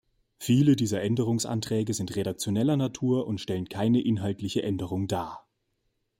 Viele dieser Änderungsanträge sind redaktioneller Natur und stellen keine inhaltliche Änderung dar.